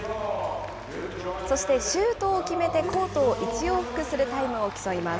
そしてシュートを決めてコートを１往復するタイムを競います。